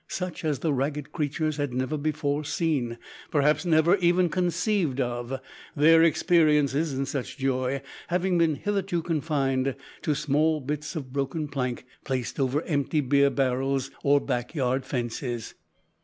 such as the ragged creatures had never before seen perhaps never conceived of, their experiences in such joys having been hitherto confined to small bits of broken plank placed over empty beer barrels, or back yard fences.